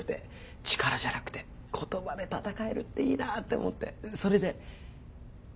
力じゃなくて言葉で戦えるっていいなって思ってそれで。